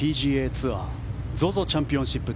ツアーＺＯＺＯチャンピオンシップ。